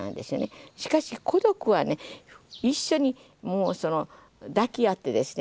しかし孤独はね一緒にもうその抱き合ってですね